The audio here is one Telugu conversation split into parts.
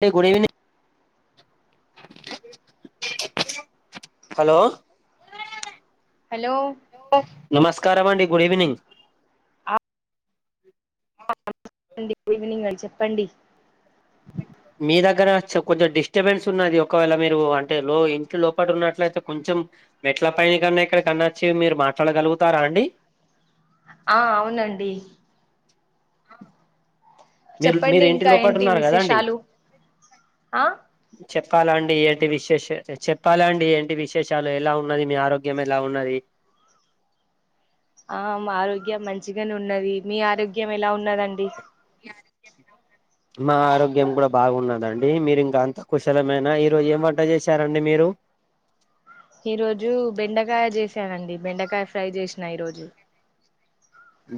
టే గుడ్ ఈవినింగ్. హలో హలో నమస్కారం అండి గుడీవినింగ్ [inaudible] మండీ గుడ్ ఈవినింగ్ అండి చెప్పండి? మీ దగ్గర చె కొంచెం డిస్టర్బెన్స్ ఉన్నది ఒకవేళ మీరు అంటే లో ఇంట్లో లోపట ఉన్నట్లయితే కొంచెం మెట్ల పైన కన్నా ఎక్కడికన్నా వచ్చి మీరు మాట్లాడగలుగుతారా అండి? ఆ అవునండి మీరు చెప్పండి మీరు ఇంటి ఇంకా లోపట ఏంటి ఉన్నారు కదా విశేషాలు ఆ? చెప్పాలండి ఏంటి విశేష్ చెప్పాలండి ఏంటి విశేషాలు ఎలా ఉన్నది మీ ఆరోగ్యం ఎలా ఉన్నది? ఆ మా ఆరోగ్యం మంచిగానే ఉన్నది మీ ఆరోగ్యం ఎలా ఉన్నదండి? యాడికి జెప్పినావ్? మా ఆరోగ్యం కూడా బాగున్నదండి మీరు ఇంకా అంత కుశలమేనా ఈ రోజు ఏం వంట చేశారండి మీరు? ఈ రోజు బెండకాయ చేసానండి బెండకాయ ఫ్రై చేస్నా ఈ రోజు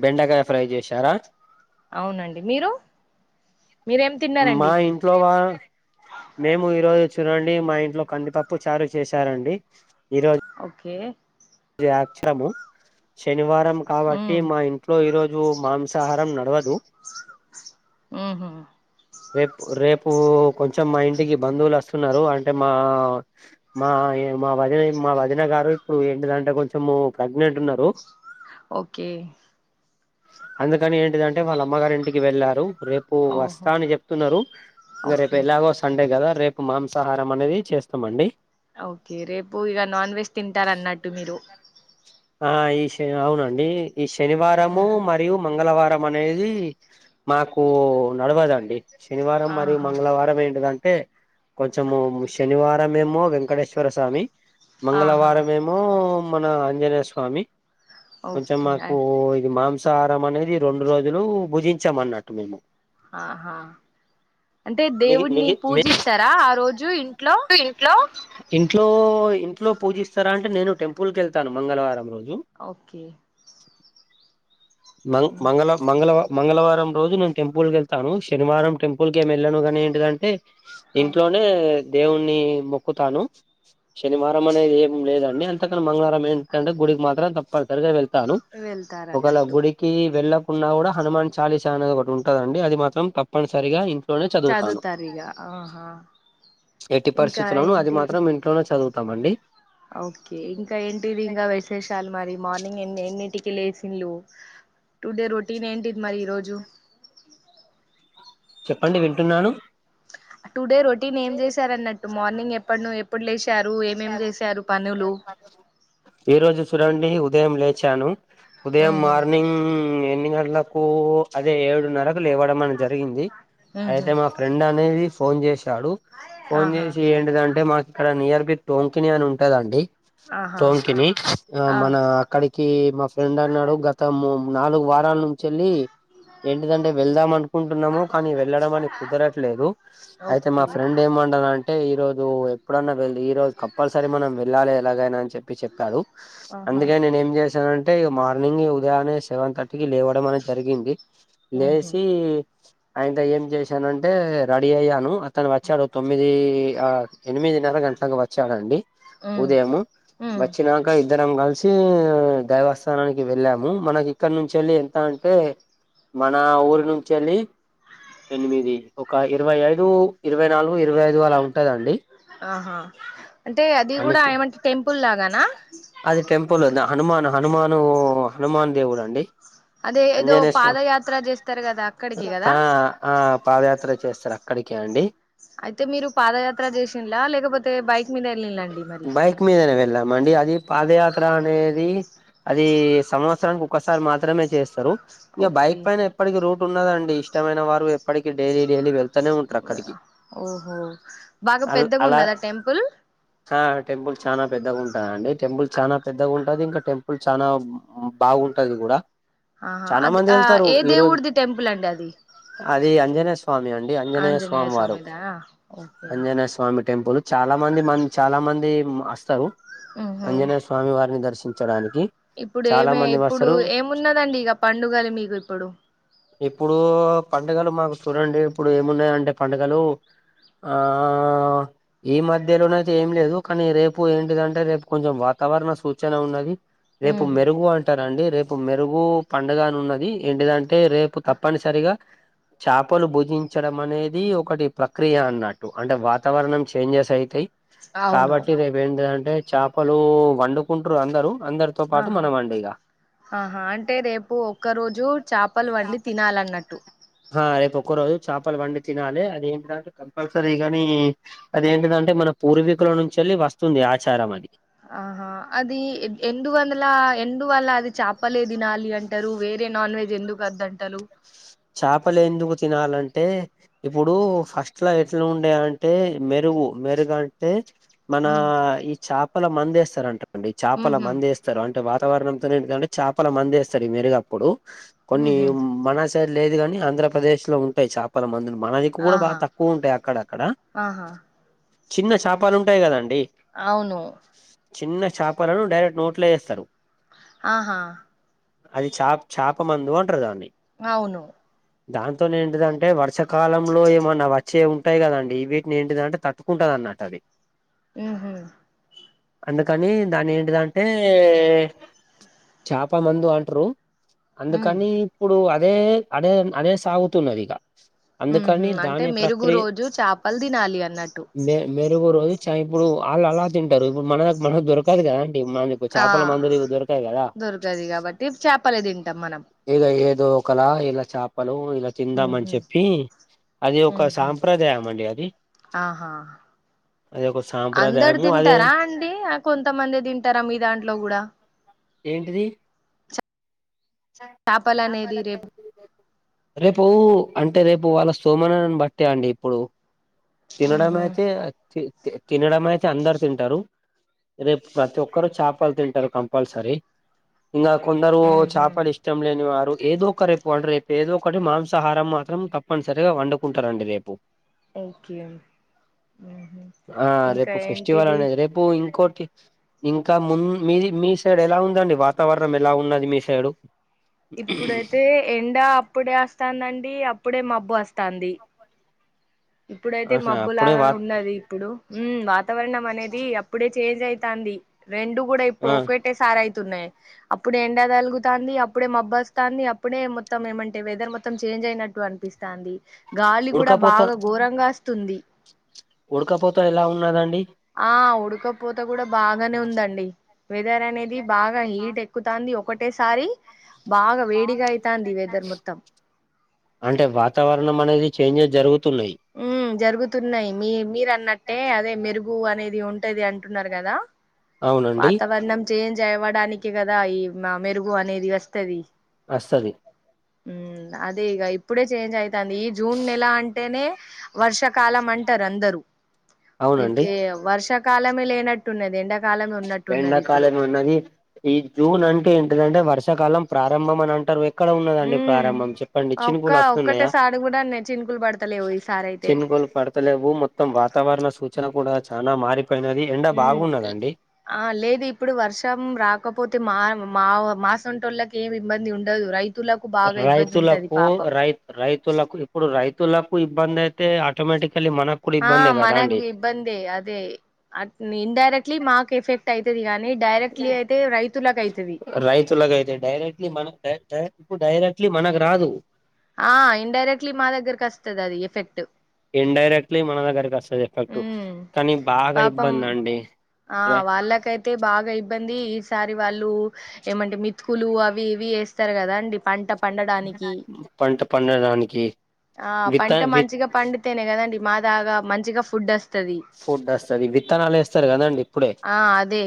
బెండకాయ ఫ్రై చేశారా? అవునండి మీరు మీరేం మా తిన్నారండి ఇంట్లో వా మేము ఈ రోజు చూడండి మా ఇంట్లో కందిపప్పు చారు చేశారండి ఈరోజ్ ఓకే ఈ యాఛ్చరము శనివా వారం కాబట్టి ఉమ్, మా ఇంట్లో ఈ రోజు మాంసాహారం నడవదు ఊహు రేప్ రేపు కొంచెం మా ఇంటికి బంధువులు వస్తున్నారు అంటే మా మా య మా వదిన మా వదిన గారు ఇప్పుడు ఏంటిదంటే కొంచెం ప్రెగ్నెంట్ ఉన్నారు ఓకే అందుకని ఏంటిదంటే వాళ్ళ అమ్మగారు ఇంటికి వెళ్లారు రేపు ఓహో వస్తా అని చెప్తున్నారు ఇక రేపు ఓకే ఎలాగ వస్ సండే కదా రేపు మాంసాహారం అనేది చేస్తామండి ఓకే రేపు ఇక నాన్ వెజ్ తింటారు అన్నట్టు మీరు ఆ ఈ శని అవునండి ఈ శనివారము ఉహు. మరియు మంగళవారం అనేది మాకు నడవదండి శనివారం మరియు ఆహా మంగళవారం ఏంటిదంటే? కొంచెము శనివారంమేమో వెంకటేశ్వర స్వామి ఆహా మంగళవారం మేమో మో మన ఆంజనేయ స్వామి కొంచెం మాకు ఓకే ఇది మాంస్ సహారం అనేది రెండు రోజులు భుజించం అన్నట్టు మేము ఆహా అంటే మిగి దేవుడిని పూజిస్తారా ఆ రోజు ఇంట్లో ఇంట్లో ఇంట్లో ఇంట్లో పూజిస్తారా అంటే నేను టెంపుల్కీ వెళ్తాను మంగళవారం రోజు ఓకే మంగ్ మంగళ మంగళ మంగళవారం రోజు నేను టెంపుల్ కి వెళ్తాను శనివారం టెంపుల్ కి ఏమి వెళ్ళను గానీ ఏంటిదంటే ఆ ఇంట్లోనే దేవుణ్ణి మొక్కుతాను శనివారం అనేది ఏం లేదండి అంతకని మంగళవారం ఏంట్ దంటే గుడి మాత్రం తప్పనిసరిగా వెళ్తాను ఒకేళ వెళ్తారన్నట్టు గుడి కి వెళ్ళకుండా కూడా హనుమాన్ చాలీసా అనేది ఒకటి ఉంటదండి అది మాత్రం తప్పనిసరిగా ఇం లో చదువుతాను చదువుతారు ఇగ ఆహా ప్చ్ ఎట్టి ఇంకా పరిస్థితులోన అది ఏంటి మాత్రం ఇంట్లోనే చదువుతామండి ఓకే ఇంకా ఏంటిది ఇంకా విశేషాలు మరి మార్నింగ్ ఎన్ని ఎన్నిటికి లేసిన్లు టు డే రొటీన్ ఏంటిది మరి ఈరోజు చెప్పండి వింటున్నాను టు డే రొటీన్ ఏం చేశారన్నట్టు మార్నింగ్ ఎప్పడనో అప్పుడు లేసారు ఏమేం చేశారు పనులు ఈ రోజు చూడండి ఉదయం లేచాను ఉదయం ఉహు మార్నింగ్ ఈవినింగ్ అలా కు అదే ఎడున్నరకు లేవడం అని జరిగింది ఉహు అయితే మా ఫ్రెండ్ అనేది ఫోన్ చేసాడు ఫోన్ ఆహా చేసి ఏంటిదంటే మాకు ఇక్కడ నియర్ బి టోంకిని అని ఉంటదండి ఆహా టోంకిని ఆ మన అక్కడికి కి మా ఫ్రెండ్ అన్నాడు గత ము నాలుగు వారాల నుంచి వెళ్ళి ఏంటిదంటే వెళ్దాం అనుకుంటున్నాము కానీ వెళ్ళడం అని కుదరట్లేదు అయితే మా ఓకే ఫ్రెండ్ ఏమంటానడంటే ఈ రోజు ఎప్పుడైన్నా వెళ్ ఈ రోజు కంపల్సరీ మనం వెళ్ళాలి ఎలాగైనా అని చెప్పి చెప్పాడు ఆహా అందుకని నేను ఏం చేశానం అంటే మార్నింగ్ ఉదయానే సెవెన్ థర్టీకి లేవడం అనేది జరిగింది ఉహు లేచి ఆయంత ఏం చేశానంటే రెడీ అయ్యాను అతను వచ్చాడు తొమ్మిది ఆ ఎనిమిది నర గంటలకి వచ్చాడండి ఉమ్ ఉదయము ఉమ్ వచ్చినాక ఇద్దరం కలిసి దేవస్థానానికి వెళ్ళాము మనకి ఇక్కడ నుంచి వెళ్ళి ఎంత అంటే మన ఊరి నుంచి వెళ్ళి ఎనిమిది ఒక ఇరవై ఐదు ఇరవై నాలుగు ఇరవై ఐదు అలా ఉంటదండి ఆహా అంటే అది కూడా అన్నికి ఏమంటే టెంపుల్ లాగానా అది టెంపుల్ ఉంది హనుమాన్ హనుమాను హనుమాన్ దేవుడు అండి అదే ఏదో అంజనేయ స్వా పాదయాత్ర చేస్తారు కదా అక్కడికి కదా ఆ ఆ పాదయాత్ర చేస్తారు అక్కడికే అండి అయితే మీరు పాదయాత్ర చేసింలా లేకపోతే బైక్ మీద వెళ్ళింలండి మరి బైక్ మీదనే వెళ్ళామండి అది పాదయాత్ర అనేది అది సంవత్సరానికి ఒక్కసారి మాత్రమే చేస్తారు ఇంకా ఓకే బైక్ పైన ఎప్పటికిీ రూట్ ఉన్నదండి ఇష్టమైన వారు ఎప్పటికీ డైలీ డైలీ వెళ్ ఓహో బాగా అ అలా పెద్దగున్నదా టెంపుల్ ఆ టెంపుల్ చాలా పెద్దగుంటాందండి టెంపుల్ చాలా పెద్దగా ఉంటుంది ఇంకా టెం పుల్ చాలా బాగుంటది కూడా ఆహా చాలా అది మంది ఆ వెళ్తారు ఏ ఈ రోజు దేవుడిది టెంపుల్ అండి అది అది ఆంజనేయ స్వామి అండి ఆంజనేయ స్వామి వారు ఓకే ఆంజనేయ స్వామి టెంపుల్ చాలా మంది మ చాలా మంది అస్తరు ఉహు ఆంజనేయ స్వామి వారిని దర్శించడానికి ఇప్పుడు చాలా ఏమే మంది ఇప్పుడు వస్తారు ఏమున్నదండి ఇగ పండుగలు మీకు ఇప్పుడు ఇప్పుడు పండుగలు మాకు చూడండి ఇప్పుడు ఏమున్నాయంటే పండుగలు ఆ ఈ మధ్యలోనే ఏం లేదు కానీ రేపు ఏంటిదంటే రేపు కొంచెం వాతావరణ సూచన ఉన్నది రేపు ఉహు మెరుగు అంటారండి రేపు మెరుగు పండుగ అని ఉన్నది ఏంటిదంటే రేపు తప్పనిస సరిగా చాపలు భుజించడం అనేది ఒకటి ప్రక్రియ అన్నట్టు అంటే వాతావరణం చేంజెస్ అయితయ్ అవును కాబట్టి రేపు ఏంటిది అంటే చాపలు వండుకుంటరు అందరు అందరితో పాటు ఆహా మనం అండిగా ఆహా అంటే రేపు ఒక్క రోజు చాపలు వండి తినాలన్నట్టు ఆ రేపు ఒక్క రోజు చేపలు వండి తినాలి అదేమిటంటే కంపల్సరీ గాని అదేంటిదంటే మన పూర్వీకుల నుంచి వెళ్ళి వస్తుంది ఆచారం అది ఆహా అది ఎందు వందల ఎందువల్ల అది చప చెప్పలే తినాలి అంటారు వేరే నాన్ వెజ్ ఎందుకు వద్ద అంటారు చేపలే ఎందుకు తినాలంటే ఇప్పుడు ఫస్ట్ లో ఎట్లా ఉండే అంటే మెరుగు మెరుగు అంటే మన ఉమ్ ఈ చేపల ముందు వేస్తారు అంట ఈ చేపల ఉహు మందు వేస్త అంటే వాతావరణంతోంటే చేపల మందేస్తారు ఈ మెరుగా అప్పుడు కొన్ని ఉహు మన లేదు గాని ఆంధ్రప్రదేశ్ లో ఉంటాయి చేపల మందులు. మనదిక్కు కూడా బాగా ఆహా తక్కువ ఉంటాయి అక్కడ అక్కడ ఆహా చిన్న చాపాలు ఉంటాయి కదండి అవును చిన్న చేపలను డైరెక్ట్ నోట్లో వేస్తారు ఆహా అది చాప చేప మందు అంటారు దాన్ని అవును దాంతోనే ఏంటిదంటే వర్షాకాలంలో ఏమన్నా వచ్చే ఉంటాయి కదండి ఈ వీటిని ఏంటిదంటే తట్టుకుంటంది అన్నటు అది వి ఆహ అందుకని దాని ఏంటిదంటే చాప మందు అంటారు ఉమ్ అందుకని ఇప్పుడు అదే అదే అదే సాగుతున్నది ఇగ ఉహు అందుకని అంటే దాని మెరుగు ప్రక్రియ రోజు చేపలు తినాలి అన్నట్టు మే మెరుగు రోజు చ ఇప్పుడు వాళ్ళు అలా తింటారు ఇప్పుడు మనకు మన దొరకదు కదా అండి మన ఆ దొరకది కాబట్టి చేపలే తింటాం మనం ఈగ ఏదో ఓకలా చాపలు ఇలా తిందాం అని ఉహు చెప్పి అది ఒక ఉహు సాంప్రదాయం అండి అది ఆహా అదే ఓక సంప్రదాయము అదే అయితే ఆ కొంతమంది తింటారా మీ దాంట్లో కూడా ఏంటిది చేపలు అనేది చాపలకు రేపు పోయిండు రేపు అంటే రేపు వాళ్ళ సోమనాని బట్టే అండి ఇప్పుడు తినడం ఉహు అయితే తినడం అయితే అందరు తింటారు రేపు ప్రతి ఒక్కరు చేపలు తింటారు కంపల్సరీ ఇంకా కొందరు ఉహు చేపలు ఇష్టం లేని వారు ఏదో ఒకటీ రేపు ఏదో ఒకటి మాంసాహారం మాత్రం తప్పనిసరిగా వండుకుంటారండి రేపు ఓకే ఊ హు ఆ రేపు ఫెస్టివల్ అనేది రేపు ఇంకోటి ఇంకా ము మీ మీ సైడ్ ఎలా ఉందండి వాతావరణం ఎలా ఉన్నది మీ సైడు ఇప్పుడైతే ఎండ అప్పుడే వస్తాందండి అప్పుడే మబ్బు వస్తాంది ఇప్పుడైతే ఆహా మబ్బు అప్పుడే వా లాగానే ఉన్నది హలో ఊ వాతావరణం అనేది అప్పుడే చేంజ్ అయితాంది రెండు కూడా ఇప్పుడు ఆ ఒక ఒకేసారి అయితుంది అప్పుడే ఎండ తగులుతుంది అప్పుడే మబ్బుస్తోంది అప్పుడే మొత్తం ఏమంటే వెదర్ మొత్తం చేంజ్ అయినట్టు అనిపిస్తుంది వస్తోంది గాలి కూడా ఉడకపోత బాగా ఘోరంగా వస్తుంది ఉడకపోత ఎలా ఉన్నాదండి ఆ ఉడకపోతే కూడా బాగానే ఉందండి వెదర్ అనేది బాగా హీట్ ఎ క్కుతంది ఒకటేసారి బాగా వేడిగా అవుతంది వెదర్ మొత్తం అంటే వాతావరణం అనేది చేంజెస్ జరుగుతున్నాయి ఉ జరుగుతున్నాయి మీ మీరు అన్నట్టే అదే మెరుగు అనేది ఉంటది అంటున్నారు కదా అవునండి వాతావరణం చేంజ్ అవ్వడానికి కదా ఈ మెరుగు అనేది వస్తది అస్తది అదే ఇక ఇప్పుడే చేంజ్ అయితుంది ఈ జూన్ నెల అంటేనే వర్ష కాలం అంటారు అందరు ఇ అవునండి ఏ వర్షాకాలమే లేనట్టున్నది ఎండకు ఎండకాలం ఉన్నది ఈ జూన్ అంటే ఏంటిదంటే వర్షాకాలం ప్రారంభం అని అంటారు వె ఎక్కడ ఉన్నదండి మ్మ్ ప్రారంభం చెప్పండి ఒక్క చిన్నకూలు వస్తున్నాయా ఒక్కటేసారి కూడా నే చినుకులు పడతలేవు ఈసారి అయితే చినుకులు పడు త్త లేవు మొత్తం వాతావరణ సూచన కూడా చానా మారిపోయినది ఎండ మ్మ్ బాగున్నదండి ఆ లేదు ఇప్పుడు వర్షం రాకపోతే మా మా మాసంటోళ్ళకి ఏమి ఇబ్బంది ఉండదు రైతు తులకు బాగా ఇబ్బంది ఉంటంది రైతులకు పాపం రై రైతులకు ఇప్పుడు రైతులకు ఇబ్బంది అయితే ఆటోమేటికలీ మనక్ ఆ మనగ్ ఇబ్బంది అదే అ ఇన్డైరెక్ట్లీ మాకు ఎఫెక్ట్ అయితది గానీ డైరెక్ట్లీ అయితే రైతులకు అయితది రైతులగయితే డైరెక్ట్ ఇప్పుడు మనకు డైరె డైరెక్ డైరెక్ట్లీ మనకు రాదు ఆ ఇన్ డైరెక్ట్లీ మా దగ్గరకి వస్తది అది ఎఫెక్ట్ ఇన్ డైరెక్ట్లీ మన దగరికి వస్తది కటు ఉమ్ కానీ బాగా పాపం ఇబ్బంది అండి అయితే బాగా ఇబ్బంది ఈసారి వాళ్ళు ఏమంటే మితుకులు అవి ఇవి వేస్తారు కదా అండి పంటప్ పండడానికి పంట పండడానికి ఆ విత్త పంట విత్ మంచిగా పండ్ అంతేనే కదండి మా దాగా మంచిగా ఫుడ్ వస్తుంది ఫుడ్ వస్తది విత్తనాలు వేస్తారు కదండి ఆ అదే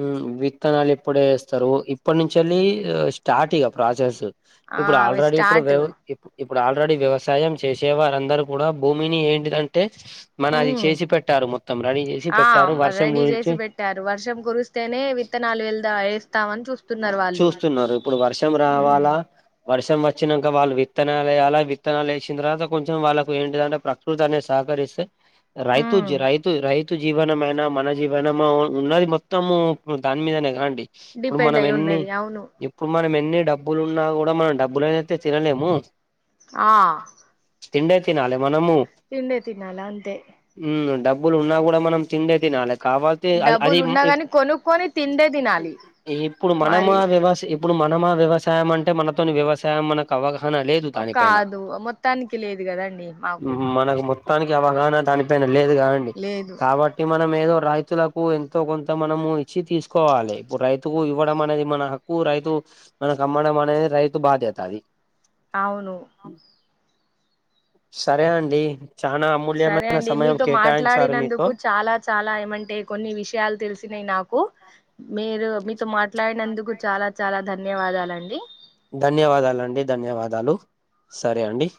ఊ విత్తనాలు ఇప్పుడే వేస్తారు ఇప్పటి నుంచలి స్టార్ట్ ఇగ ప్రాసెస్ ఆ ఇప్పుడు అవి ఆల్రెడీ ఇప్పుడు స్టార్ట్ వ్యవ్ ఇప్పు ఇప్పుడు ఆల్రెడీ వ్యవసాయం చేసే వారందరు కూడా భూమిని ఏంటిదంటే మన అది ఉమ్ చేసి పెట్టారు మొత్తం రెడీ చేసి పెట్టారు వర్షం గురించి ట్టారు వర్షం కురిస్తేనే విత్తనాలు ఎల్దా వేస్తామని చూస్ చూస్తున్నారు ఇప్పుడు వర్షం ఉమ్ రావాలా వర్షం వచ్చినాక వాళ్ళు విత్తనాలు వేయాలా విత్తనాలు వేసిన తర్వాత కొంచెం వాళ్ళకు ఏంటింటే ప్ర కృతి అనేది సహకరిస్తే రైతు ఉమ్ జే రైతు రైతు స్తు జీవనమైనా మన జీవనము ఉన్నది మొత్తము దాని మీదనే కద అండి ఇప్పుడు డిపెండ్ మనం అయి ఎన్ని ఉన్నది అవును ఇప్పుడు మనం ఎన్ని డబ్బులున్నా కూడా మనం డబ్బులు అయితే తినలేము ఆ తిండే తినాలే మనము తిండే తినాల అంతే ఊ డబ్బులు ఉన్నా కూడా మనం తిండే తినాల కావాల డబ్బులు ఉన్న గాని కొనుక్కకుని తిండే తినాలి మరి వ్యవస్ ఇప్పుడు మనమా వ్యవసాయం అంటే మనతోని వ్యవసాయం మనకు అవగాహన లేదు దానిపైన కాదు మొత్తానికి లేదు కదండి మాకు మనకు మొత్తానికి అవగాహన దానిపైన లేదు కాదండి లేదు కాబట్టి మనం ఏదో రైతులకు ఎంతో కొంత మనము ఇచ్చి తీసుకోవాలి ఇప్పుడు రైతుకు ఇవ్వడం అనేది మన హక్కు రైతు మనకు అమ్మడం అనేది రైతు బాధ్యత అది అవును సరే అండి చాలనా సరే అమూల్యమైన అండి సమయం మీతో కేటాయించారు మీతో మాట్లాడినందుకు చాలా చాలా ఏమంటే కొన్ని విషయాలు తెలిసినాయి నాకు మీరు మీతో మా మాట్లాడినందుకు చాలా చాలా ధన్యవాదాలండి ధన్యవాదాలండి ధన్యవాదాలు సరే అండి